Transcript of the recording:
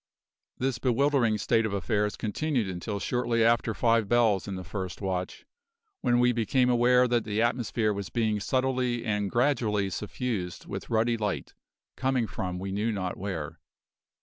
This bewildering state of affairs continued until shortly after five bells in the first watch, when we became aware that the atmosphere was being subtly and gradually suffused with ruddy light, coming from we knew not where.